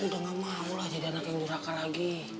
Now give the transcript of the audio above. udah gak mau lah jadi anak yang diraka lagi